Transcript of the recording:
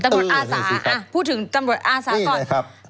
ตำรวจอาศาพูดถึงตำรวจอาศาตอนนี่แหละครับ